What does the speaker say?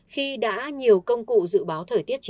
khi đã nhiều công cụ dự báo